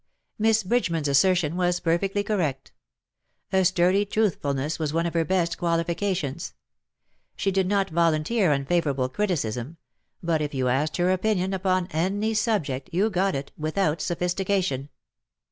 ^^ Miss Bridgeman^s assertion was perfectly correct. A sturdy truthfulness was one of her best qualifica tions. She did not volunteer unfavourable criticism; but if you asked her opinion upon any subject you got it, without sophistication.